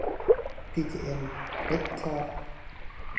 พีจีเอ็ม เร็คคอร์ด